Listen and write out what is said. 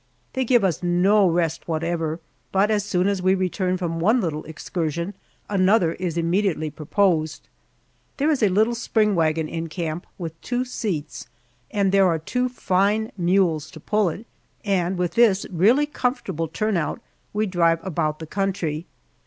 They give us no rest whatever, but as soon as we return from one little excursion another is immediately proposed. There is a little spring wagon in camp with two seats, and there are two fine mules to pull it, and with this really comfortable turn out we drive about the country.